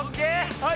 はい！